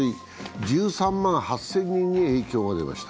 １３万８０００人に影響が出ました。